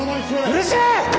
うるせぇ！